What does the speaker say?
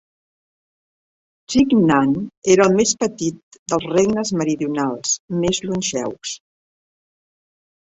Jingnan era el més petit dels regnes meridionals més longeus.